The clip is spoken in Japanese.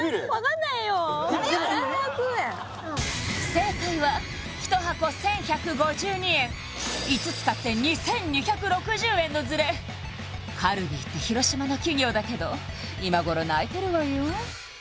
正解は１箱１１５２円５つ買って２２６０円のズレカルビーって広島の企業だけど今頃泣いてるわよ